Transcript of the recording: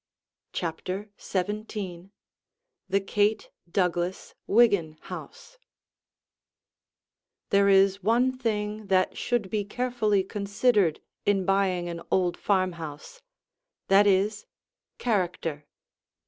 CHAPTER XVII THE KATE DOUGLAS WIGGIN HOUSE There is one thing that should be carefully considered in buying an old farmhouse, that is, character.